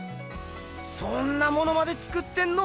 そんなものまで作ってんの？